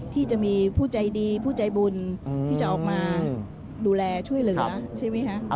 ที่จะมีผู้ใจดีผู้ใจบุญที่จะออกมาดูแลช่วยเหลือใช่ไหมคะ